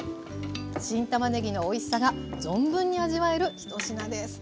新たまねぎのおいしさが存分に味わえるひと品です。